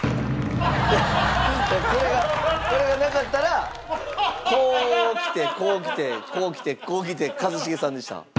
これがこれがなかったらこうきてこうきてこうきてこうきて一茂さんでした。